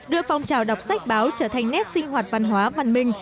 đưa phong trào đọc sách báo trở thành nét sinh hoạt văn hóa văn minh